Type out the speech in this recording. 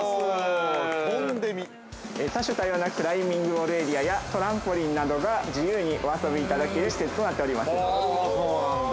◆多種多様なクライミングウォールエリアや、トランポリンなどが、自由にお遊びいただける施設になっております。